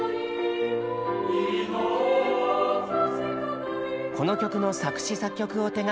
この曲の作詞作曲を手がけたのは。